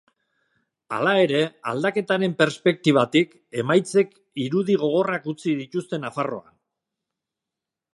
Hala ere, aldaketaren perspektibatik, emaitzek irudi gogorrak utzi dituzte Nafarroan.